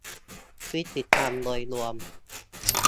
พฤติกรรมโดยรวม